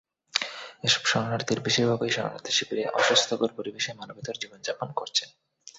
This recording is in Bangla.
এসব শরণার্থীর বেশির ভাগই শরণার্থী শিবিরে অস্বাস্থ্যকর পরিবেশে মানবেতর জীবন যাপন করছেন।